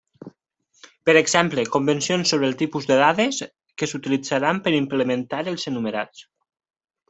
Per exemple, convencions sobre el tipus de dades que s'utilitzarà per implementar els enumerats.